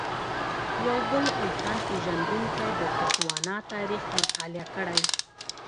یو بل انسان پېژندونکی د تسوانا تاریخ مطالعه کړی.